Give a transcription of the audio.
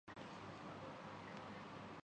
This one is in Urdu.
مکمل خاموشی تھی ۔